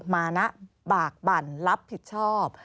มานะบากบั่นรับผิดชอบ